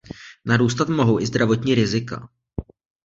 Narůstat mohou i zdravotní rizika.